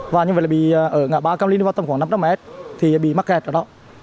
và như vậy là ở ngã ba cam linh vào tầm khoảng năm trăm linh m thì bị mắc kẹt ở đó